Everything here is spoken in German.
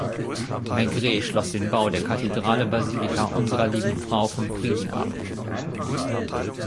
Maigret schloss den Bau der Kathedrale Basilika Unserer Lieben Frau vom Frieden ab.